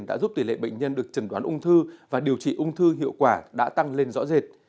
đã giúp tỷ lệ bệnh nhân được trần đoán ung thư và điều trị ung thư hiệu quả đã tăng lên rõ rệt